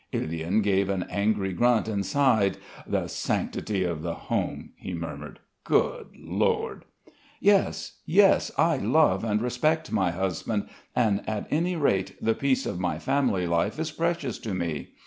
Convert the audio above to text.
Ilyin gave an angry grunt and sighed: "The sanctity of the home," he murmured, "Good Lord!" "Yes, yes. I love and respect my husband and at any rate the peace of my family life is precious to me.